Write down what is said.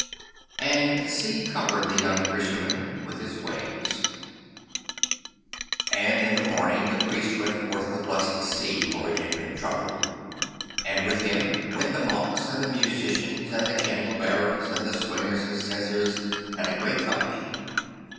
And the sea covered the young Fisherman with its waves. And in the morning the Priest went forth to bless the sea, for it had been troubled. And with him went the monks and the musicians, and the candle bearers, and the swingers of censers, and a great company.